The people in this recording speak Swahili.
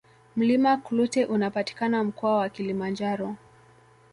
mlima klute unapatikana mkoa wa kilimanjaro